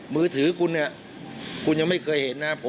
มือถือคุณคุณยังไม่เคยเห็นนะครับ